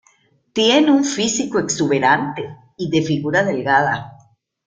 Tiene un físico exuberante, y de figura delgada.